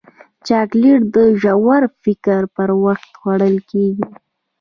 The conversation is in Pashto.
چاکلېټ د ژور فکر پر وخت خوړل کېږي.